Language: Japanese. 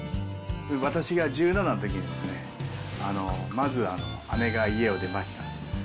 私が１７のときにですね、まず姉が家を出ました。